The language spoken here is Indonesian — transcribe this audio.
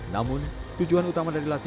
namun tujuan utama dari latihan